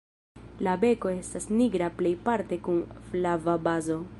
La beko estas nigra plejparte kun flava bazo.